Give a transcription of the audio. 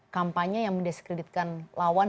kampanye yang mendeskreditkan lawan